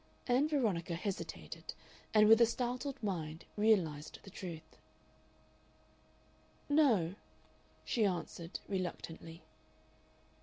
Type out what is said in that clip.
Ann Veronica hesitated, and with a startled mind realized the truth. "No," she answered, reluctantly.